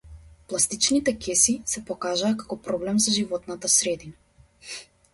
Пластичните кеси се покажаа како проблем за животната средина.